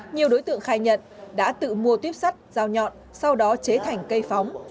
nhiều đối tượng khai nhận đã tự mua tuyếp sắt dao nhọn sau đó chế thành cây phóng